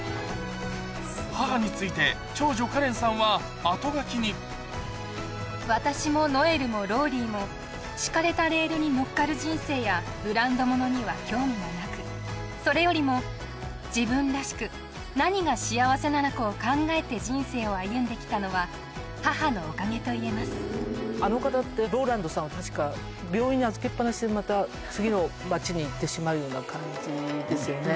母について、長女、私もノエルもローリーも、敷かれたレールに乗っかる人生やブランド物には興味がなく、それよりも、自分らしく、何が幸せなのかを考えて人生を歩んできたのは、母のおかげといえあの方って、ローランドさん、確か、病院に預けっぱなしで、次の町に行ってしまうような感じですよね。